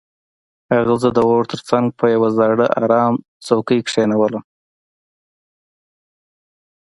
هغه زه د اور تر څنګ په یو زاړه ارامه څوکۍ کښینولم